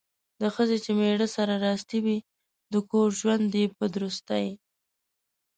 د ښځې چې میړه سره راستي وي ،د کور ژوند یې په درستي